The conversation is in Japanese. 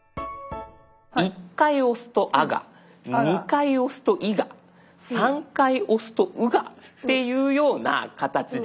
１回押すと「あ」が２回押すと「い」が３回押すと「う」がっていうような形で。